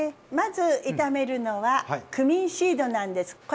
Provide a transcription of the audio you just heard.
まず炒めるのはクミンシードなんです。